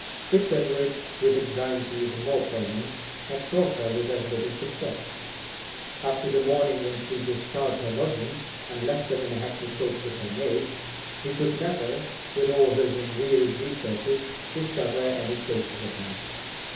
Fitz Edward, with anxiety even more poignant, had sought her with as little success. After the morning when she discharged her lodgings, and left them in an hackney coach with her maid, he could never, with all his unwearied researches, discover any traces of her.